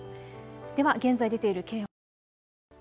では現在、出ている警報です。